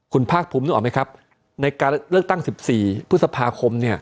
คุณภาคภูมินึกออกไหมครับในการเลือกตั้ง๑๔พฤษภาคม